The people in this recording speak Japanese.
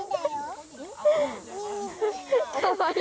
かわいい。